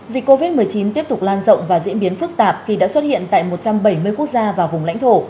dịch covid một mươi chín tiếp tục lan rộng và diễn biến phức tạp khi đã xuất hiện tại một trăm bảy mươi quốc gia và vùng lãnh thổ